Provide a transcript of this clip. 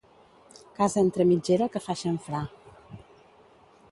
Casa entre mitgera que fa xamfrà.